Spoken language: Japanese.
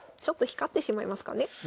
ちょっと光ってしまいますかね。